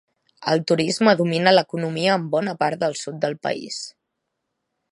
El turisme domina l'economia en bona part del sud del país.